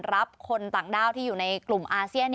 รับคนต่างด้าวที่อยู่ในกลุ่มอาเซียน